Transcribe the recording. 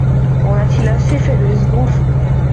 En a-t-il assez fait de l'esbroufe !